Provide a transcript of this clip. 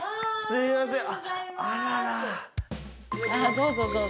どうぞどうぞ。